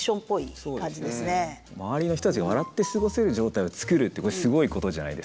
周りの人たちが笑って過ごせる状態を作るってこれすごいことじゃないですか。